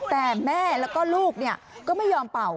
แต่แม่แล้วก็ลูกก็ไม่ยอมเป่า